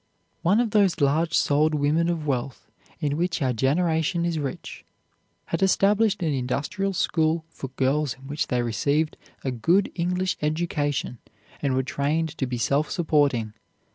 One of those large souled women of wealth, in which our generation is rich, had established an industrial school for girls in which they received a good English education and were trained to be self supporting.